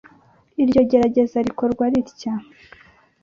Iryo gerageza rikorwa ritya